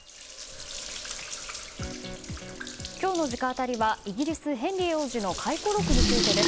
今日の直アタリはイギリス、ヘンリー王子の回顧録についてです。